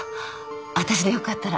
私でよかったら。